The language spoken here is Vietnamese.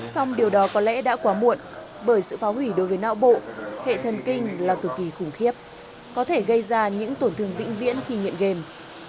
xong điều đó có lẽ đã quá muộn bởi sự phá hủy đối với não bộ hệ thần kinh là cực kỳ khủng khiếp có thể gây ra những tổn thương vĩnh viễn khi nghiện game